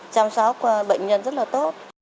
chăm sóc bệnh nhân rất là tốt